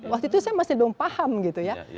waktu itu saya masih belum paham gitu ya